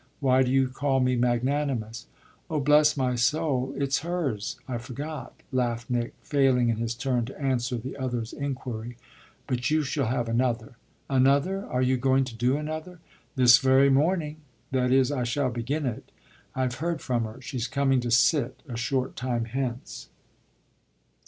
"Why do you call me magnanimous?" "Oh bless my soul, it's hers I forgot!" laughed Nick, failing in his turn to answer the other's inquiry. "But you shall have another." "Another? Are you going to do another?" "This very morning. That is, I shall begin it. I've heard from her; she's coming to sit a short time hence."